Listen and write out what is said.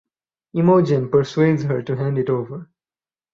Imogen persuades her to hand it over.